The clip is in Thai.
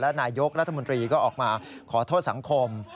นายกรัฐมนตรีก็ออกมาขอโทษสังคม